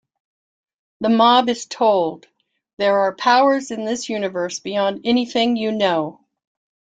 The mob is told, There are powers in this universe beyond anything you know.